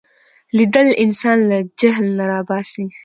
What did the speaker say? لیدل انسان له جهل نه را باسي